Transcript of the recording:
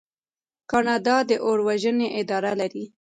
کاناډا د اور وژنې اداره لري.